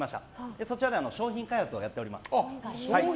そちらで商品開発をやっております。